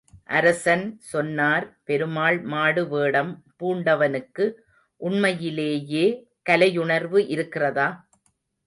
அரசன் சொன்னார், பெருமாள் மாடு வேடம் பூண்டவனுக்கு உண்மையிலேயே கலையுணர்வு இருக்கிறதா?